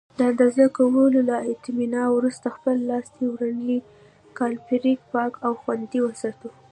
د اندازه کولو له اتمامه وروسته خپل لاسي ورنیر کالیپر پاک او خوندي وساتئ.